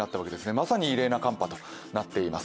まさに異例な寒波となっています。